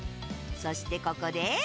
そして、ここで。